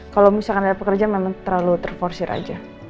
kalau misalkan ada pekerja memang terlalu terforsir aja